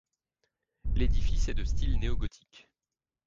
L'édifice est de style néogothique.